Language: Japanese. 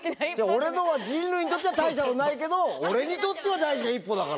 俺のは「人類にとっては大したことないけど俺にとっては大事な１歩」だから。